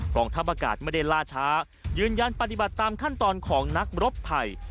ทัพอากาศไม่ได้ล่าช้ายืนยันปฏิบัติตามขั้นตอนของนักรบไทย